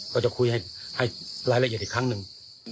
ก็จะคุยให้รายละเอียดอีกครั้งหนึ่ง